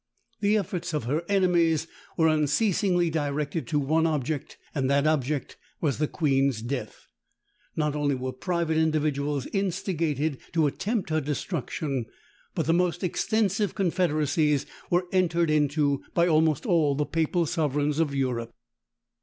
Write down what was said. The efforts of her enemies were unceasingly directed to one object, and that object was the queen's death. Not only were private individuals instigated to attempt her destruction, but the most extensive confederacies were entered into by almost all the papal sovereigns of Europe.